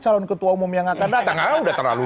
calon ketua umum yang akan datang karena udah terlalu